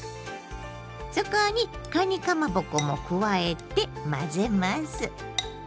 そこにかにかまぼこも加えて混ぜます。